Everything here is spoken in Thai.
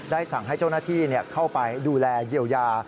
สั่งให้เจ้าหน้าที่เข้าไปดูแลเยียวยา